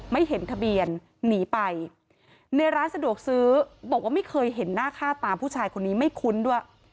ไม่เห็นทะเบียนหนีไปในร้านสะดวกซื้อบอกว่าไม่เคยเห็นหน้าค่าตาผู้ชายคนนี้ไม่คุ้นด้วย